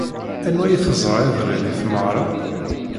Anwa ay teẓra iḍelli deg tmeɣra?